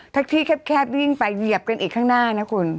แท็กซี่แคบวิ่งไปเหยียบกันอีกข้างหน้านะคุณ